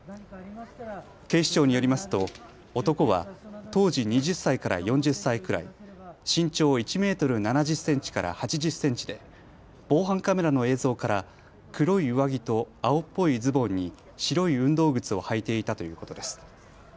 警視庁によりますと男は当時２０歳から４０歳くらい、身長１メートル７０センチから８０センチで、防犯カメラの映像から黒い上着と青っぽいズボンに、白い運動靴を履いていたということです。